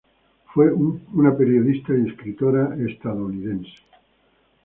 Fue una periodista y escritora estadounidense.